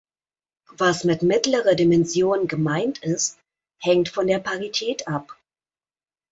Was mit „mittlere Dimension“ gemeint ist, hängt von der Parität ab.